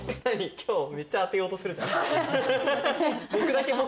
今日めっちゃ当てようとするじゃん。